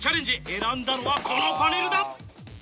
選んだのはこのパネルだ！